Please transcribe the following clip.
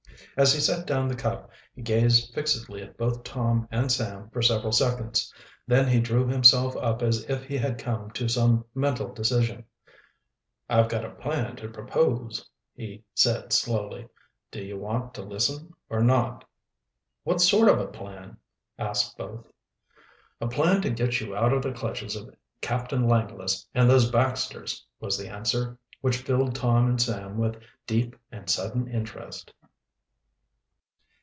As he set down the cup he gazed fixedly at both Tom and Sam for several seconds. Then he drew himself up as if he had come to some mental decision. "I've got a plan to propose," he said slowly. "Do you want to listen or not?" "What sort of a plan?" asked both. "A plan to get you out of the clutches of Captain Langless and those Baxters," was the answer, which filled Tom and Sam with deep and sudden interest.